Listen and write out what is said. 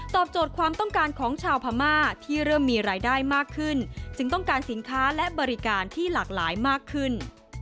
โจทย์ความต้องการของชาวพม่าที่เริ่มมีรายได้มากขึ้นจึงต้องการสินค้าและบริการที่หลากหลายมากขึ้น